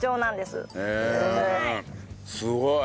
すごい。